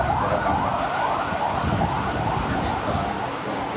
dan itu adalah sebuah kisah yang bisa membuktikan